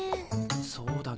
そうだね。